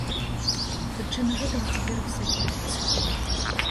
Прычыны гэтага цяпер высвятляюцца.